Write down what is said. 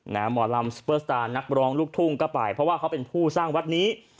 หมอลำซูเปอร์สตาร์นักร้องลูกทุ่งก็ไปเพราะว่าเขาเป็นผู้สร้างวัดนี้